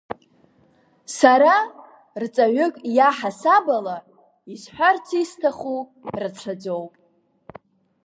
Сара, рҵаҩык иаҳасабала, исҳәарц исҭаху рацәаӡоуп…